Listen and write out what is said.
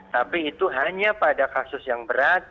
tapi itu hanya pada kasus yang berat